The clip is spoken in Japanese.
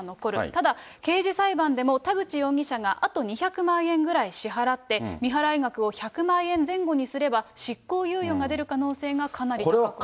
ただ刑事裁判でも、田口容疑者があと２００万円ぐらい支払って、未払い額を１００万円前後にすれば執行猶予が出る可能性がかなりある。